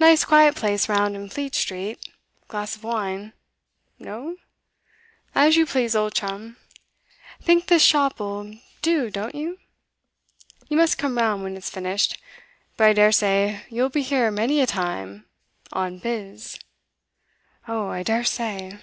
Nice quiet place round in Fleet Street glass of wine. No? As you please, old chum. Think this shop 'll do, don't you? You must come round when it's finished. But I daresay you'll be here many a time on biz.' 'Oh, I daresay.